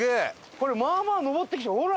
これまあまあ上ってきたほら！